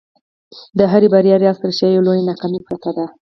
د هري بریا راز تر شا یوه لویه ناکامي پرته ده.